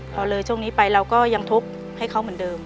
พอเลยช่วงนี้ไปเราก็ยังทบให้เขาเหมือนเดิม